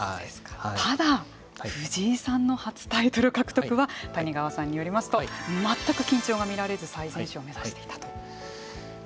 ただ藤井さんの初タイトル獲得は谷川さんによりますと全く緊張が見られず最善手を目指していたと。